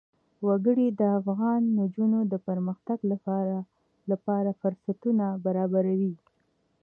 وګړي د افغان نجونو د پرمختګ لپاره فرصتونه برابروي.